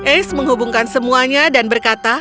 ace menghubungkan semuanya dan berkata